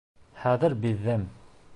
Хәҙер биҙҙем.